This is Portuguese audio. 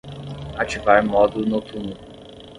Ativar modo notuno.